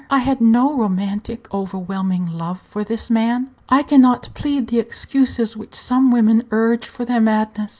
I had no romantic, overwhelming love for this man. I can not plead the excuses which some women urge for their madness.